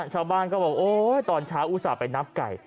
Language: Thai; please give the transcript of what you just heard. ชาวบ้านก็บอกโอ๊ยตอนเช้าอุตส่าห์ไปนับไก่